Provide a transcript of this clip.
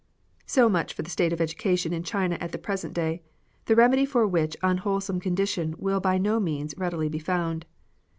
So much for the state of education in China at the present day, the remedy for which unwholesome condition will by no means readily be found.